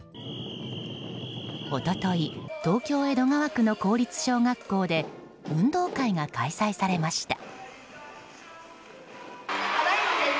一昨日、東京・江戸川区の公立小学校で運動会が開催されました。